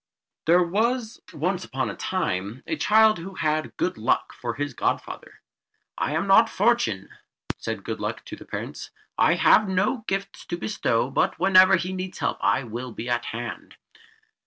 There was once upon a time a child who had Good Luck for his godfather. "I am not Fortune," said Good Luck to the parents; "I have no gifts to bestow, but whenever he needs help I will be at hand."